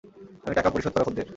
আমি টাকা পরিশোধ করা খদ্দের।